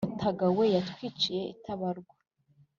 mutaga we yatwiciye itabarwa